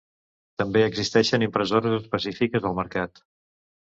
També existeixen impressores específiques al mercat.